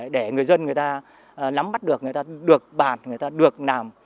để người dân người ta nắm bắt được người ta được bàn người ta được làm